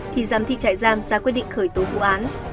thì giám thị trại giam ra quyết định khởi tố vụ án